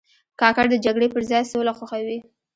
کاکړ د جګړې پر ځای سوله خوښوي.